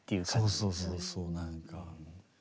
そうそうそうそうなんか。